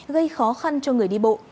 gây khó khăn cho người đi bộ